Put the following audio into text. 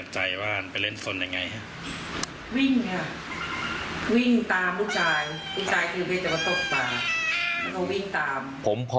ใต้ผิวหนังนะหมอก